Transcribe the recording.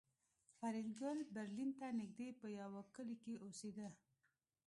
فریدګل برلین ته نږدې په یوه کلي کې اوسېده